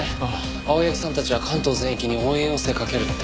青柳さんたちは関東全域に応援要請かけるって。